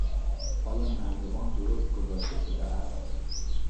آیا نردبان درست گذاشته شده است؟